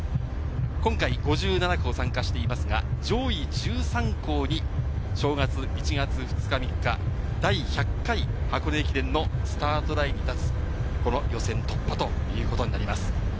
今回、５７校が参加していますが、上位１３校に正月１月２日、３日、第１００回箱根駅伝のスタートラインに立つ、この予選突破ということになります。